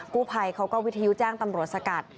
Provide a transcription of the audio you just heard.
กู้ภัยเขาก็วิทยุแจ้งตำรวจสกัด